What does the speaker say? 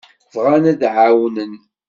Bɣan ad d-εawnen.